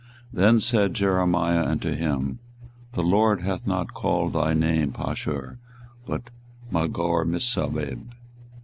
Then said Jeremiah unto him, The LORD hath not called thy name Pashur, but Magormissabib.